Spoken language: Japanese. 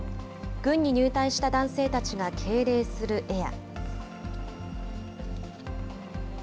軍に入隊した男性たちが敬礼する絵や。